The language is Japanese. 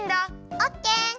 オッケー。